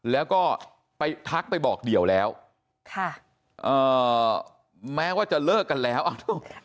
แล้วก็ไปทักไปบอกเดี่ยวแล้วค่ะเอ่อแม้ว่าจะเลิกกันแล้ว